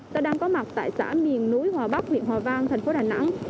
tôi đang có mặt tại xã miền núi hòa bắc huyện hòa vang thành phố đà nẵng